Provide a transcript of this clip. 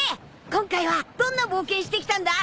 今回はどんな冒険してきたんだ？